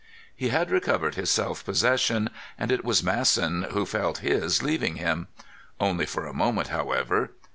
He had recovered his self possession, and it was Masson who felt his leaving him. Only for a moment, however.